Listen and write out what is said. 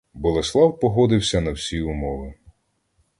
Болеслав погодився на всі умови.